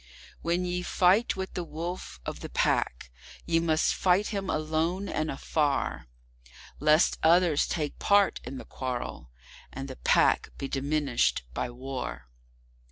When ye fight with a Wolf of the Pack, ye must fight him alone and afar, Lest others take part in the quarrel, and the Pack be diminished by war.